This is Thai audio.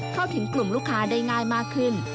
เข้าถึงกลุ่มลูกค้าได้ง่ายมากขึ้น